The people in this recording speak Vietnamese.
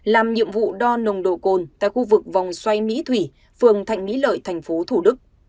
làm nhiệm vụ đo nồng độ côn tại khu vực vòng xoay mỹ thủy phường thạnh mỹ lợi tp thủ đức